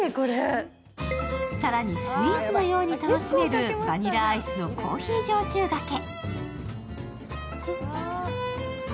更に、スイーツのように楽しめるバニラアイスのコーヒー焼酎がけ。